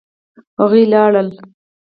هغوی لاړل.